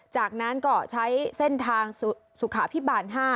จากนั้นก็ใช้เส้นทางสุขาพิบาล๕